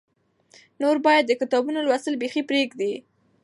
نور باید د کتابونو لوستل بیخي پرېږدې.